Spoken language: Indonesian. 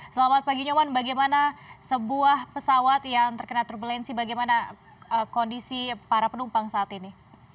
selamat pagi nyoman bagaimana sebuah pesawat yang terkena turbulensi bagaimana kondisi para penumpang saat ini